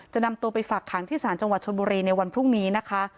นำตัวไปฝากขังที่ศาลจังหวัดชนบุรีในวันพรุ่งนี้นะคะ